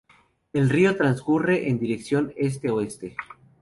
El río transcurre en dirección Este-Oeste.